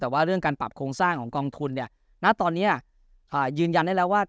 แต่ว่าเรื่องการปรับโครงสร้างของกองทุนเนี่ยณตอนนี้ยืนยันได้แล้วว่า